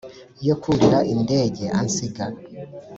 yo kurira indege ansiga"!